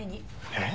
えっ？